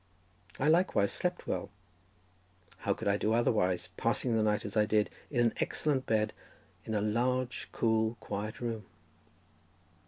I likewise slept well; how could I do otherwise, passing the night, as I did, in an excellent bed in a large, cool, quiet room?